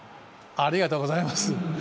ありがとうございます。